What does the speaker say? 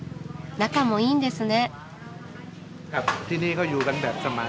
仲もいいんですね。